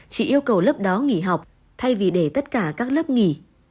chỉ yêu cầu lớp đó nghỉ học thay vì để tất cả các lớp nghỉ